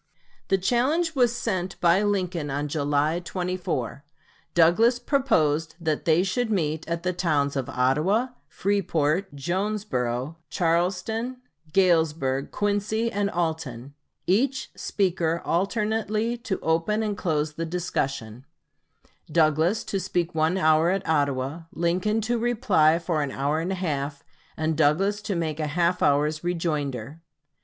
The challenge was sent by Lincoln on July 24; Douglas proposed that they should meet at the towns of Ottawa, Freeport, Jonesboro, Charleston, Galesburg, Quincy, and Alton, each speaker alternately to open and close the discussion; Douglas to speak one hour at Ottawa, Lincoln to reply for an hour and a half, and Douglas to make a half hour's rejoinder.